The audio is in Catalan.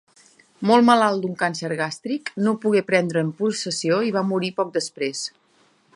Molt malalt d'un càncer gàstric, no pogué prendre'n possessió i va morir poc després.